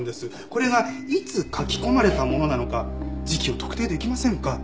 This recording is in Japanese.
これがいつ書き込まれたものなのか時期を特定できませんか？